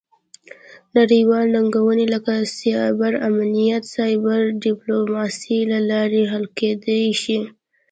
نړیوالې ننګونې لکه سایبر امنیت د سایبر ډیپلوماسي له لارې حل کیدی شي